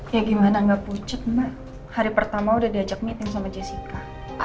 kayak gimana gak pucuk mbak hari pertama udah diajak meeting sama jessica